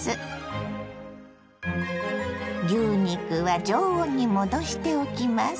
牛肉は常温に戻しておきます。